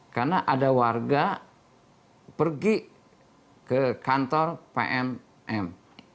karena ada warga pergi ke kantor pnm